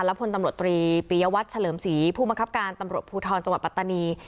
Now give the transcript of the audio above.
และพลตำรวจตรีปียวัตรเฉลิมศรีผู้บังคับการตำรวจภูทรจังหวัดปัตตานี